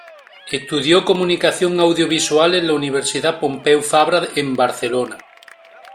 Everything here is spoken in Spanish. Estudió Comunicación Audiovisual en la Universidad Pompeu Fabra en Barcelona.